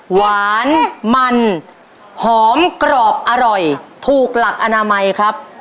หวานมันหอมกรอบอร่อยถูกหลักอนามัยครับ